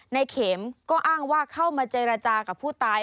ในเข็มก็อ้างว่าเข้ามาเจรจากับผู้ตาย